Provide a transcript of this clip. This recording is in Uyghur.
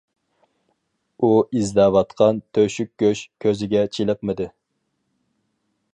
ئۇ ئىزدەۋاتقان‹‹ تۆشۈك گۆش›› كۆزىگە چېلىقمىدى.